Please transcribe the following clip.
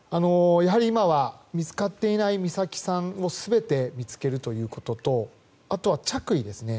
やはり今は見つかっていない美咲さんを全て見つけるということとあとは、着衣ですね。